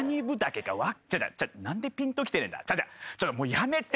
やめて。